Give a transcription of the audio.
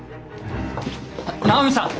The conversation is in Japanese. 直美さん！